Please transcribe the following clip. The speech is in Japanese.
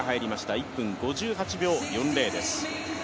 １分５８秒４０です。